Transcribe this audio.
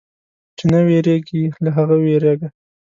چې نه وېرېږي، له هغه وېرېږه.